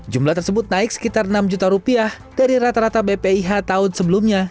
jumlah tersebut naik sekitar rp enam dari rata rata bpih tahun sebelumnya